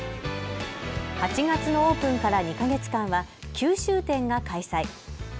８月のオープンから２か月間はキュウシュウ展が開催。